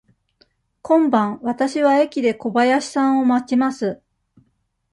今晩、わたしは駅で小林さんを待ちます。